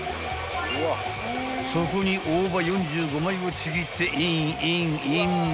［そこに大葉４５枚をちぎってインインイン］